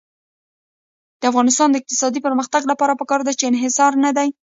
د افغانستان د اقتصادي پرمختګ لپاره پکار ده چې انحصار نه وي.